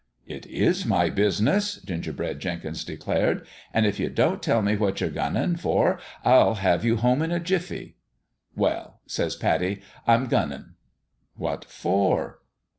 " It is my business," Gingerbread Jenkins de clared ; "an' if you don't tell me what you're gunnin' for I'll have you home in a jiffy." "Well," says Pattie, " I'm gunnin'." "What for?"